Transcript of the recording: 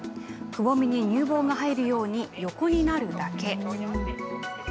くぼみに乳房が入るように横になるだけ。